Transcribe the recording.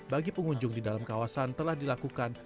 bagi pengunjung di dalam kawasan telah dilakukan